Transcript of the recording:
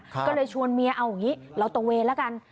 ก็เลยชวนเมียเอาอย่างนี้เราตะเวนแล้วกัน